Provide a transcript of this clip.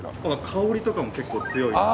香りとかも結構強いので。